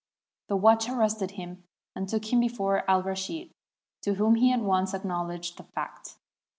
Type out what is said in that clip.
The watch arrested him, and took him before Alraschid, to whom he at once acknowledged the fact.